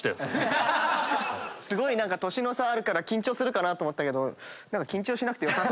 すごい年の差あるから緊張するかなと思ったけど。